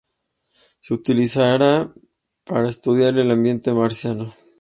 Se utilizaran para estudiar el ambiente marciano.